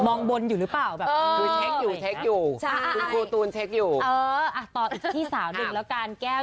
มองบนอยู่รึเปล่าแบบคืออยู่อยู่ใช่คี่สาวดึงแล้วกันแก้ว